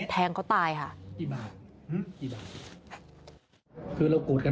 แทงเขาตายค่ะ